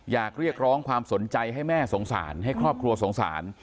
เรียกร้องความสนใจให้แม่สงสารให้ครอบครัวสงสาร